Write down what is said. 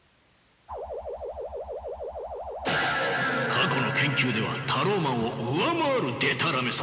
過去の研究ではタローマンを上回るでたらめさ。